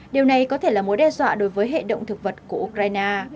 điều này có thể là mối đe dọa đối với hệ động thực vật của ukraine